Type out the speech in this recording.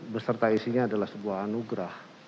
beserta isinya adalah sebuah anugerah